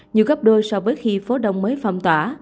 nhiều gấp đôi so với khi phố đông mới phong tỏa